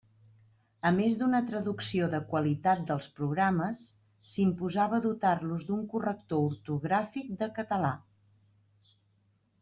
A més d'una traducció de qualitat dels programes, s'imposava dotar-los d'un corrector ortogràfic de català.